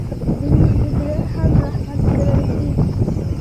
د لور زیږیدل هم رحمت ګڼل کیږي.